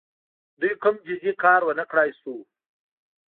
دوی کوم جدي کار ونه کړای سو.